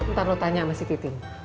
ntar lu tanya sama si titin